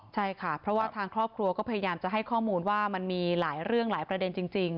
ใช่ค่ะเพราะว่าทางครอบครัวก็พยายามจะให้ข้อมูลว่ามันมีหลายเรื่องหลายประเด็นจริง